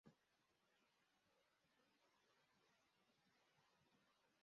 Umukozi wubwubatsi ufashe inyundo aruhukira ku giti igihe yambaye ikoti ry'umuhondo